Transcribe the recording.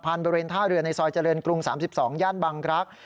บริเวณท่าเรือในซอยเจริญกรุง๓๒ย่านบังรักษ์